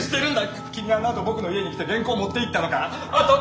君あの後僕の家に来て原稿持っていったのかッ！